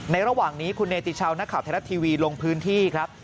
ในระหว่างนี้คุณเนเตี๋ชาวนครขับไทยรัสทีวีลงพื้นที่ครับ